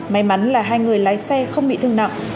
may mắn là hai người lái xe không bị thương nặng